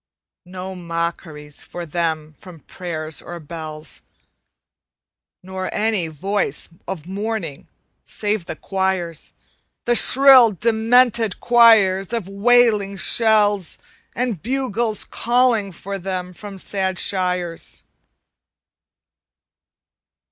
No mockeries for them from prayers or bells, Nor any voice of mourning save the choirs The shrill, demented choirs of wailing shells; And bugles calling for them from sad shires.